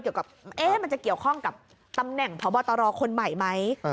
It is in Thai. มันจะเกี่ยวข้องกับตำแหน่งพบตรคนใหม่ไหม